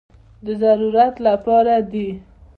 د ضرورت لپاره دي.